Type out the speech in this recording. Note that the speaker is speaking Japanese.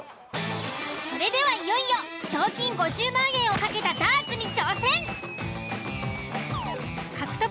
それではいよいよ賞金５０万円を懸けたダーツに挑戦！